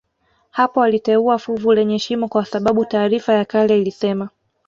Hapo aliteua fuvu lenye shimo kwa sababu taarifa ya kale ilisema